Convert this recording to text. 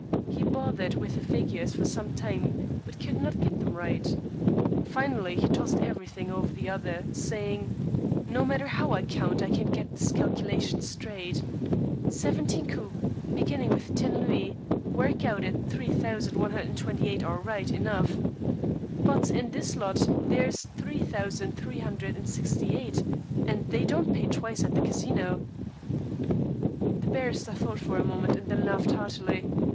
He bothered with the figures for some time but could not get them right. Finally he tossed everything over to the other, saying: "No matter how I count, I can't get this calculation straight. Seventeen coups, beginning with ten louis, work out at £3,128 all right enough. But in this lot there is £3,368, and they don't pay twice at the Casino." The barrister thought for a moment, and then laughed heartily.